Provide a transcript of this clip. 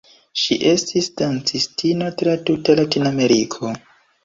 Ŝi estis dancistino tra tuta Latinameriko.